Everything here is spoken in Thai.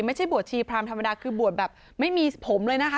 ไม่ใช่บวชชีพรามธรรมดาคือบวชแบบไม่มีผมเลยนะคะ